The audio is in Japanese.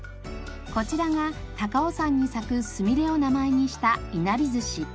こちらが高尾山に咲くスミレを名前にしたいなり寿司。